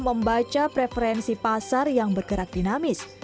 membaca preferensi pasar yang bergerak dinamis